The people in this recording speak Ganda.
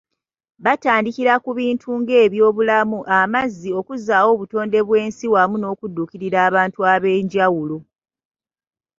Batandikira ku bintu ng’ebyobulamu, amazzi, okuzzaawo obutonde bw’ensi wamu n’okudduukirira abantu ab’enjawulo.